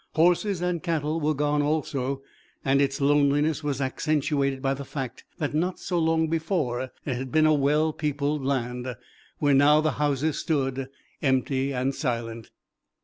Horses and cattle were gone also and its loneliness was accentuated by the fact that not so long before it had been a well peopled land, where now the houses stood empty and silent.